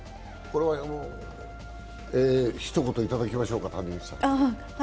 これはひと言いただきましょうか、谷口さん。